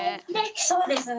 そうですね。